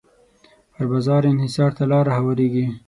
پر بازار انحصار ته لاره هواریږي.